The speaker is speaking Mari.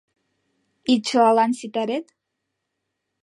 И чылалан ситарет?